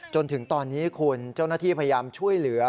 จนถึงตอนนี้คุณเจ้าหน้าที่พยายามช่วยเหลือ